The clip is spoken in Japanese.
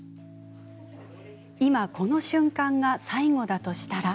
今この瞬間が最後だとしたら。